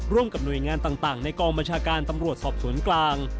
ร่วมกับหน่วยงานต่างในกองบัญชาการตำรวจสอบสวนกลาง